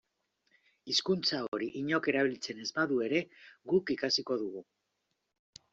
Hizkuntza hori inork erabiltzen ez badu ere guk ikasiko dugu.